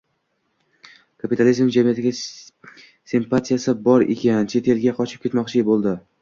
— Kapitalizm jamiyatiga simpatiyasi bor ekan. Chet elga qochib ketmoqchi bo‘ldi.